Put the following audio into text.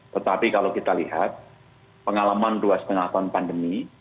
tetapi kalau kita lihat pengalaman dua lima tahun pandemi